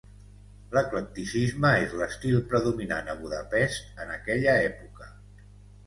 L'eclecticisme és l'estil predominant a Budapest en aquella època.